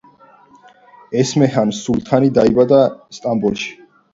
ესმეჰან სულთანი დაიბადა სტამბოლში.